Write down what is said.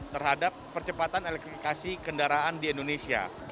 terhadap percepatan elektrikasi kendaraan di indonesia